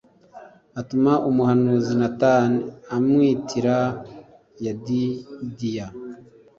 atuma umuhanuzi natani amumwitira yedidiya